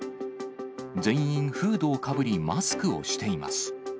全員フードをかぶり、マスクをしています。